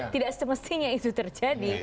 tidak semestinya itu terjadi